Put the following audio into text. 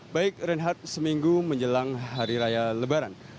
baik reinhardt seminggu menjelang hari raya lebaran